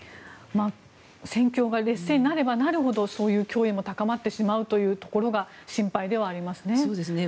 戦況が劣勢になればなるほどそういう脅威も高まってしまうというところが心配ですね。